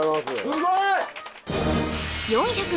すごい！